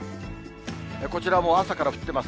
こちらも朝から降ってます。